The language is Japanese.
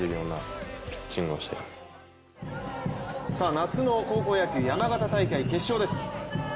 夏の高校野球山形大会決勝です。